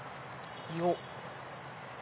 よっ。